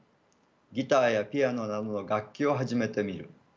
ギターやピアノなどの楽器を始めてみる。